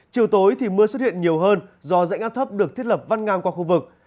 chiều tối thì mưa xuất hiện nhiều hơn do rãnh áp thấp được thiết lập văn ngang qua khu vực